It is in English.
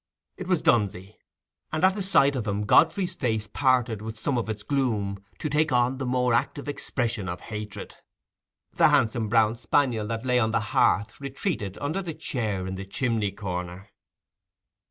It was Dunsey, and at the sight of him Godfrey's face parted with some of its gloom to take on the more active expression of hatred. The handsome brown spaniel that lay on the hearth retreated under the chair in the chimney corner.